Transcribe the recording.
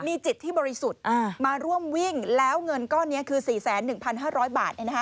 มีจิตที่บริสุทธิ์มาร่วมวิ่งแล้วเงินก้อนนี้คือ๔๑๕๐๐บาท